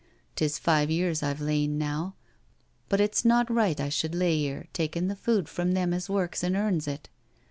" Tis five years I've lain now. But it's not right I should lay 'ere takin' the food from them as works an' earns it.